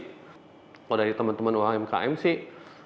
kalau dari teman teman umkm sih